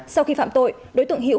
sau khi phạm tội đối tượng hiễu